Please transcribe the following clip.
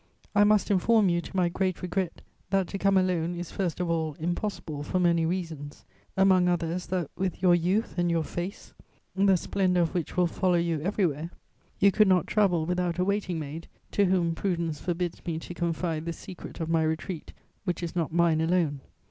I must inform you, to my great regret, that to come alone is first of all impossible, for many reasons: among others that, with your youth and your face, the splendour of which will follow you everywhere, you could not travel without a waiting maid, to whom prudence forbids me to confide the secret of my retreat, which is not mine alone.